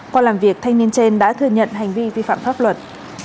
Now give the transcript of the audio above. qua làm việc thanh niên trên đã thừa nhận hành vi vi phạm pháp luật